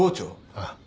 ああ。